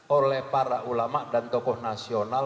oleh para ulama dan tokoh nasional